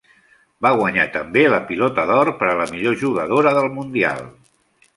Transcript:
Va guanyar també la Pilota d'Or per a la millor jugadora del Mundial.